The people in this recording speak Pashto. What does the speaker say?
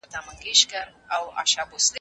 د ليکوال او ټولني تر منځ واټن څنګه له منځه ځي؟